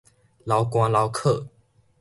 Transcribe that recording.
流汗流洘